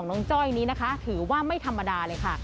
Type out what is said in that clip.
จ้อยนี้นะคะถือว่าไม่ธรรมดาเลยค่ะ